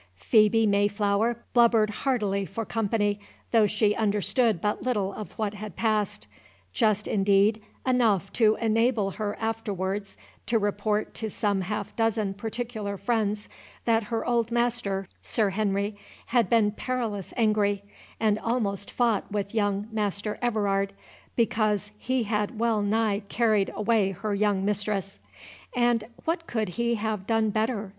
Phœbe Mayflower blubbered heartily for company, though she understood but little of what had passed; just, indeed, enough to enable her afterwards to report to some half dozen particular friends, that her old master, Sir Henry, had been perilous angry, and almost fought with young Master Everard, because he had wellnigh carried away her young mistress.—"And what could he have done better?"